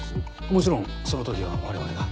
もちろんその時は我々が。